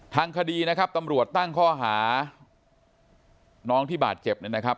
ทางคดีนะครับตำรวจตั้งข้อหาน้องที่บาดเจ็บเนี่ยนะครับ